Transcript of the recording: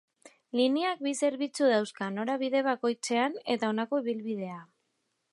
Lineak bi zerbitzu dauzka norabide bakoitzean, eta honako ibilbidea.